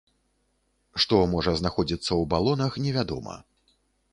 Што можа знаходзіцца ў балонах, невядома.